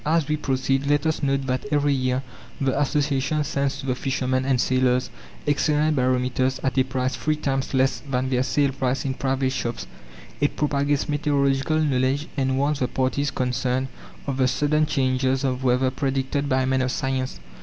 As we proceed, let us note that every year the Association sends to the fishermen and sailors excellent barometers at a price three times less than their sale price in private shops. It propagates meteorological knowledge, and warns the parties concerned of the sudden changes of weather predicted by men of science.